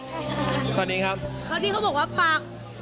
สวัสดีครับสวัสดีค่ะณคือนี่เค้าบอกว่าปาก